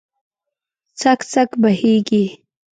څک، څک بهیږې